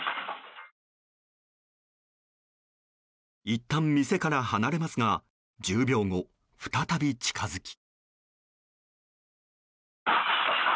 いったん、店から離れますが１０秒後、再び近づき。